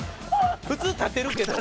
普通立てるけど。